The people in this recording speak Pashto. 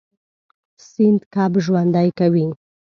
سیند کب ژوندی کوي.